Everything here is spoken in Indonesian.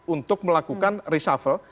untuk melakukan reshavel